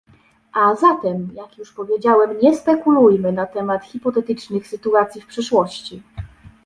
A zatem, jak już powiedziałem, nie spekulujmy na temat hipotetycznych sytuacji w przyszłości